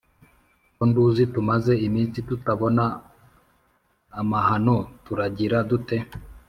ko nduzi tumaze iminsi tutabona amahaho turagira dute?